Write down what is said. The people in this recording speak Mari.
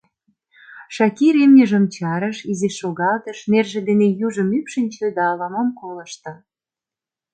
Шакир имньыжым чарыш, изиш шогалтыш, нерже дене южым ӱпшынчӧ да ала-мом колышто.